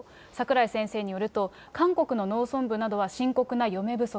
櫻井先生によると、韓国の農村部などは深刻な嫁不足。